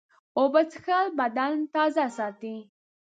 اوبه څښل بدن تازه ساتي.